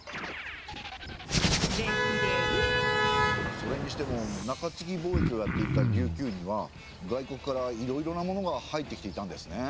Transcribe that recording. それにしても中継貿易をやっていた琉球には外国からいろいろなものが入ってきていたんですね。